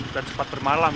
dan sempat bermalam